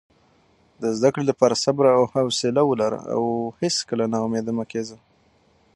د زده کړې لپاره صبر او حوصله ولره او هیڅکله نا امیده مه کېږه.